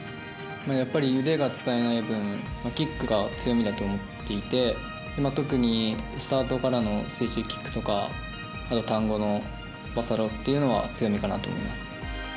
やっぱり、腕が使えない分キックが強みだと思っていて特にスタートからの水中キックやターン後のバサロっていうのは強みかなと思っています。